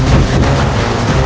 aku ingin menemukanmu